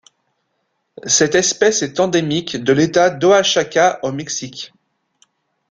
Cette espèce est endémique de l'État d'Oaxaca au Mexique.